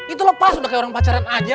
itu lepas udah kayak orang pacaran aja